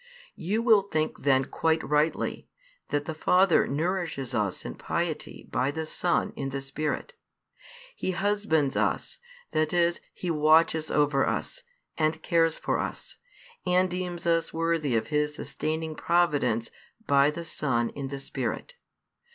You will think then quite rightly that the Father nourishes us in piety by the Son in the Spirit. He husbands us, that is He watches over us, and cares for us, and deems us worthy of His sustaining providence by the Son in the Spirit.